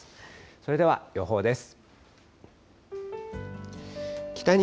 それでは予報です。